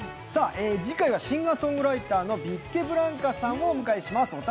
次回はシンガーソングライターのビッケブランカさんをお迎えします。